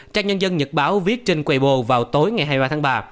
trang nhân dân nhật báo viết trên quaybô vào tối ngày hai mươi ba tháng ba